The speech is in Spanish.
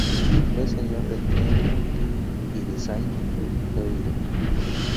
Fue señor de Clermont y de Saint-Geoire.